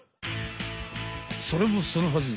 それもそのはず。